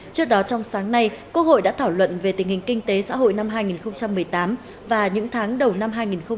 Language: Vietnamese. trước đó trong sáng nay quốc hội đã thảo luận về tình hình kinh tế xã hội năm hai nghìn một mươi tám và những tháng đầu năm hai nghìn một mươi chín